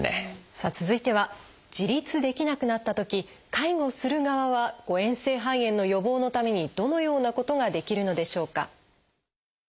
さあ続いては自立できなくなったとき介護する側は誤えん性肺炎の予防のためにどのようなことができるのでしょうか？